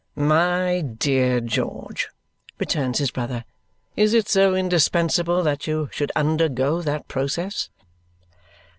"My dear George," returns his brother, "is it so indispensable that you should undergo that process?"